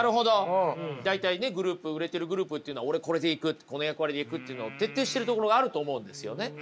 大体ね売れてるグループっていうのは俺これでいくってこの役割でいくっていうのを徹底してるところがあると思うんですよね。